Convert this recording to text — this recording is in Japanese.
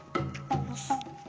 よし。